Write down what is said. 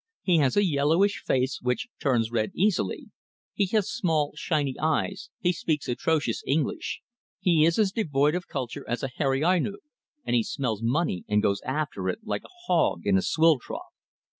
He has a yellowish face, which turns red easily. He has small, shiny eyes, he speaks atrocious English, he is as devoid of culture as a hairy Ainu, and he smells money and goes after it like a hog into a swill trough.